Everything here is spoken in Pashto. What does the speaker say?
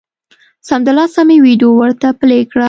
سمدلاسه مې ویډیو ورته پلې کړه